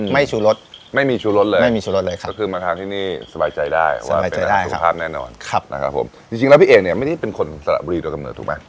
ไม่ชูรสไม่มีชูรสเลยครับสบายใจได้ว่าเป็นอาหารสุขภาพแน่นอนจริงแล้วพี่เอกเนี่ยไม่ได้เป็นคนสละบรีดอกรรมเนื้อถูกไหม